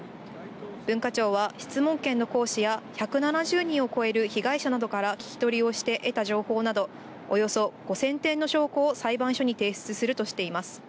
文化庁は、質問権の行使や１７０人を超える被害者などから聞き取りをして得た情報など、およそ５０００点の証拠を裁判所に提出するとしています。